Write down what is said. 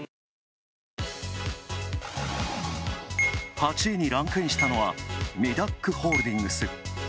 ８位にランクインしたのは、ミダック・ホールディングス。